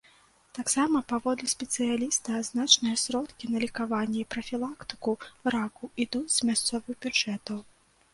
Таксама, паводле спецыяліста, значныя сродкі на лекаванне і прафілактыку раку ідуць з мясцовых бюджэтаў.